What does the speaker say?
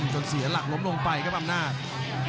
เสียหลักล้มลงไปครับอำนาจ